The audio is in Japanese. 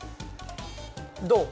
どう？